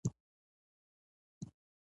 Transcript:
دا خطونه د مقناطیسي ساحې خطونه دي.